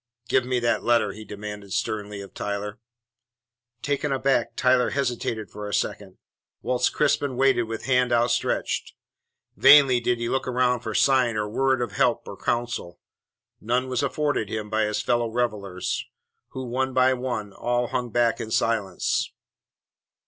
"Give me that letter," he demanded sternly of Tyler. Taken aback, Tyler hesitated for a second, whilst Crispin waited with hand outstretched. Vainly did he look round for sign or word of help or counsel. None was afforded him by his fellow revellers, who one and all hung back in silence.